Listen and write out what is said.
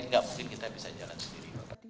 nggak mungkin kita bisa jalan sendiri